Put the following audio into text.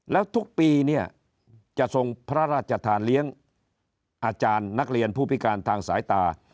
แล้วทุกปีเนี่ยจะทรงพระราชทานเลี้ยงอาจารย์นักเรียนผู้พิการทางสายตา